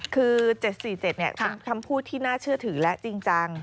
คือ๗๔๗เป็นคำพูดที่น่าเชื่อถือและจริงจัง